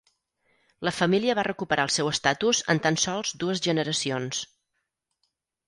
La família va recuperar el seu estatus en tan sols dues generacions.